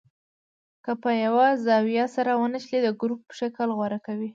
که په یوه زاویه سره ونښلي د ګروپ شکل غوره کوي.